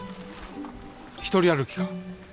１人歩きか？